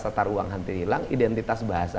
tatar uang hampir hilang identitas bahasa